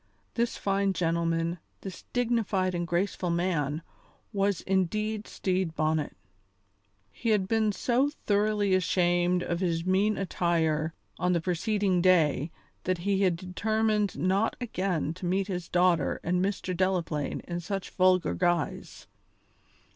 This fine gentleman, this dignified and graceful man, was indeed Stede Bonnet. He had been so thoroughly ashamed of his mean attire on the preceding day that he had determined not again to meet his daughter and Mr. Delaplaine in such vulgar guise.